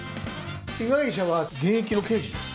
被害者は、現役の刑事です。